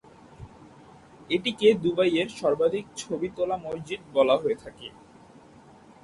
এটিকে দুবাইয়ের সর্বাধিক ছবি তোলা মসজিদ বলা হয়ে থাকে।